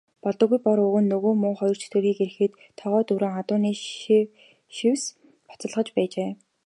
Болдоггүй Бор өвгөн нөгөө муу хоёр чөтгөрийг ирэхэд тогоо дүүрэн адууны сэвс буцалгаж байжээ.